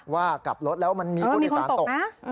ว่ากลับรถแล้วมันมีผู้โดยสารตก